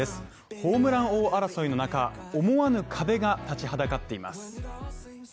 ホームラン王争いの中、思わぬ壁が立ちはだかっています